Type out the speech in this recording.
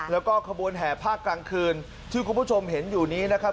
แล้วก็ขบวนแห่ภาคกลางคืนที่คุณผู้ชมเห็นอยู่นี้นะครับ